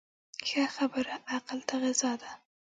ښه خبره عقل ته غذا ده.